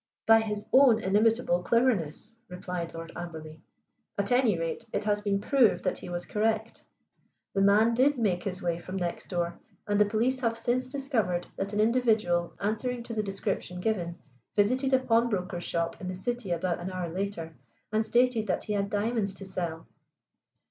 "By his own inimitable cleverness," replied Lord Amberley. "At any rate it has been proved that he was correct. The man did make his way from next door, and the police have since discovered that an individual, answering to the description given, visited a pawnbroker's shop in the city about an hour later, and stated that he had diamonds to sell."